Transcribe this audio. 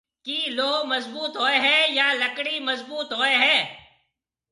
ڪِي لوه مضبوط هوئي هيَ يان لڪڙِي مضبوط هوئي هيَ؟